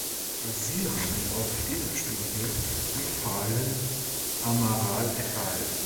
Basierend auf dieser Studie empfahlen Amaral et al.